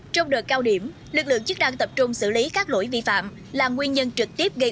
trong đợt cao điểm lực lượng chức đang tập trung xử lý các lỗi vi phạm là nguyên nhân trực tiếp gây